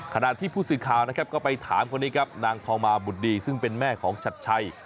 ขณะที่ผู้สื่อข่าวนะครับก็ไปถามคนนี้ครับนางทองมาบุตรดีซึ่งเป็นแม่ของชัดชัย